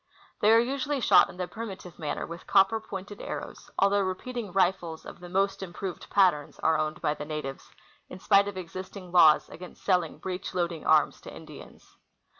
They are usually shot in the primitive manner with copper pointed arrows, although repeating rifles of the most improved patterns are owned by the natives, in spite of existing laws against selling breech loading arms to Indians.